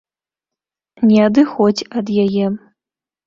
Не адыходзь ад яе.